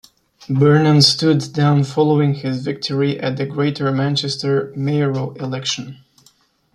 Burnham stood down following his victory at the Greater Manchester mayoral election.